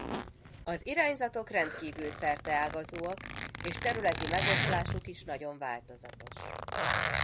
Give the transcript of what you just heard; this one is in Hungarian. Az irányzatok rendkívül szerteágazóak és területi megoszlásuk is nagyon változatos.